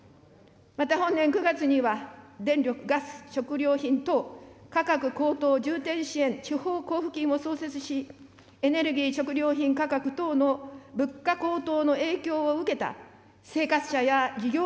また本年９月には、電力・ガス・食料品等価格高騰重点支援地方交付金を創設し、エネルギー・食料品価格等の物価高騰の影響を受けた生活者や事業